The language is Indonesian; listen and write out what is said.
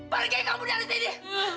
pergi kamu dari sini